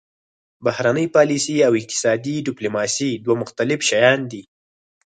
بهرنۍ پالیسي او اقتصادي ډیپلوماسي دوه مختلف شیان دي